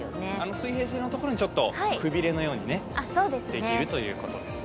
水平線のところにくびれのようにできるということですね。